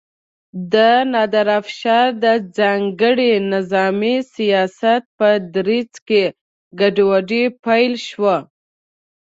د نادر افشار د ځانګړي نظامي سیاست په ترڅ کې ګډوډي پیل شوه.